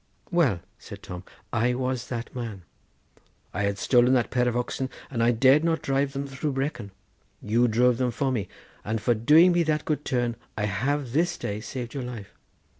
'Well,' said Tom, 'I was that man. I had stolen that pair of oxen, and I dared not drive them through Brecon. You drove them for me; and for doing me that good turn I have this day saved your life.